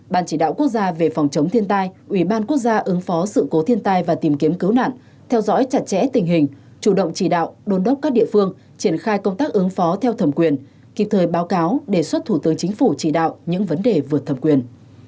ban chỉ đạo quốc gia về phòng chống thiên tai ủy ban quốc gia ứng phó sự cố thiên tai và tìm kiếm cứu nạn theo dõi chặt chẽ tình hình chủ động chỉ đạo đôn đốc các địa phương triển khai công tác ứng phó theo thẩm quyền kịp thời báo cáo đề xuất thủ tướng chính phủ chỉ đạo những vấn đề vượt thẩm quyền